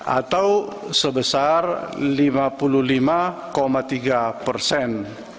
atau sebesar lima puluh lima tiga persen